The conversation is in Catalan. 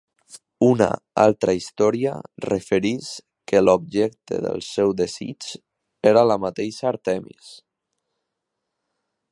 Una altra història refereix que l'objecte del seu desig era la mateixa Àrtemis.